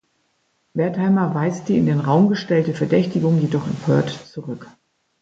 Wertheimer weist die in den Raum gestellte Verdächtigung jedoch empört zurück.